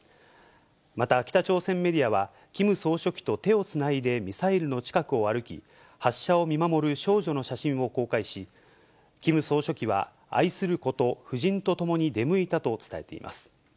また北朝鮮メディアは、キム総書記と手をつないでミサイルの近くを歩き、発射を見守る少女の写真を公開し、キム総書記は、愛する子と夫人と共に出向いたと伝えています。